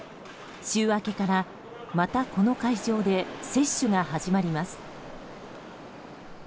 週明けから、またこの会場で接種が始まります。